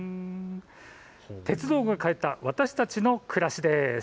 鉄道が変えた私たちの暮らしです。